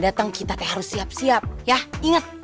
jateng kita teh harus siap siap ya inget